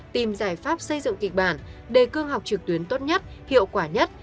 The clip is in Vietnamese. tìm giải pháp xây dựng kịch bản đề cương học trực tuyến tốt nhất hiệu quả nhất